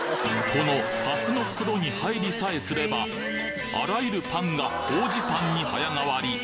この蓮の袋に入りさえすればあらゆるパンが法事パンに早変わり！